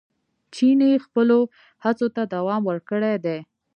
چیني خپلو هڅو ته دوام ورکړی دی.